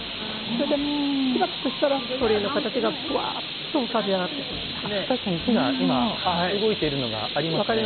それでしばらくしたら鳥居の形が浮かび上がっていくんです。